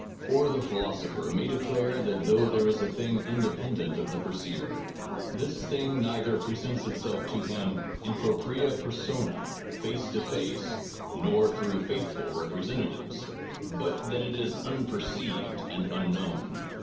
Or the philosopher may declare that though there is a thing independent of the perceiver, this thing neither presents itself to him in propria persona, face to face, nor through faithful representatives, but that it is unperceived and unknown.